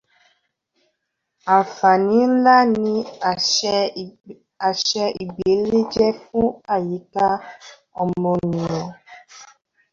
Àǹfàní ńlá ni àṣẹ ìgbélé jẹ́ fún àyíká ọmọnìyàn.